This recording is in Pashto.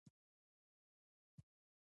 د ښه ژوند تعریف د هر فرد د حقوقو برخه ده.